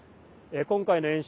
今回の演習